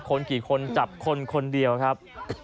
คนกี่คนจับคนคนเดียวครับ